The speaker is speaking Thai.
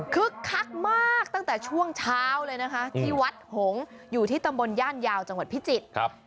คักมากตั้งแต่ช่วงเช้าเลยนะคะที่วัดหงษ์อยู่ที่ตำบลย่านยาวจังหวัดพิจิตร